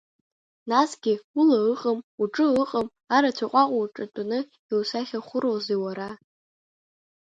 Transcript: Насгьы, ула ыҟам, уҿы ыҟам, арацәа ҟәаҟәа уҿатәаны иусахьахәыроузеи, уара?